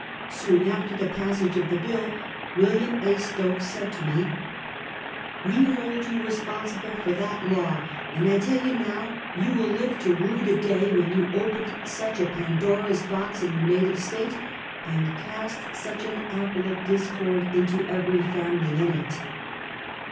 Soon after the passage of the bill, William A. Stokes said to me: 104 ' Half a Centuky. " We hold you resj)onsible for that law, and I tell you now, you will live to rue the day when you opened such a Pandora's box in your native state, and cast such an apple of discord into every family in it."